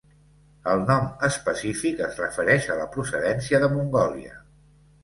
El nom específic es refereix a la procedència de Mongòlia.